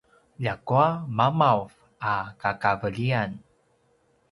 ljakua mamav a kakavelian